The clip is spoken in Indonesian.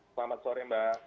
selamat sore mbak